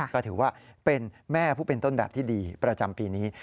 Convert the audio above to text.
ก็ถือว่าเป็นแม่ผู้เป็นต้นแบบที่ดีประจำปีนี้